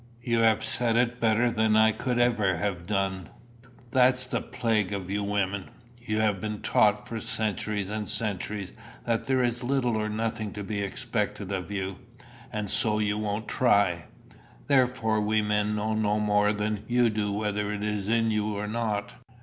You have said it better than I could ever have done. That's the plague of you women! You have been taught for centuries and centuries that there is little or nothing to be expected of you, and so you won't try. Therefore we men know no more than you do whether it is in you or not.